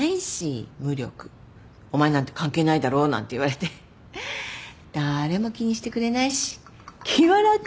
「お前なんて関係ないだろ」なんて言われて誰も気にしてくれないし気は楽。